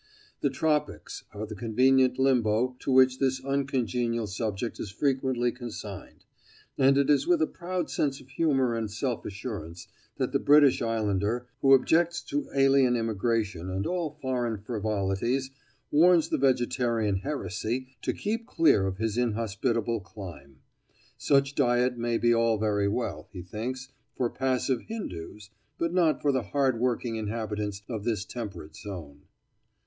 "The tropics" are the convenient limbo to which this uncongenial subject is most frequently consigned; and it is with a proud sense of humour and self assurance that the British Islander, who objects to alien immigration and all foreign frivolities, warns the vegetarian heresy to keep clear of his inhospitable clime. Such diet may be all very well, he thinks, for passive Hindoos, but not for the hard working inhabitants of this temperate zone.